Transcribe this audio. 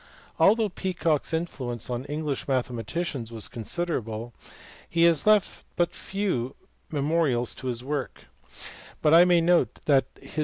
Although Peacock s influence on English mathematicians was considerable he has left but few me morials of his work; but I may note that his.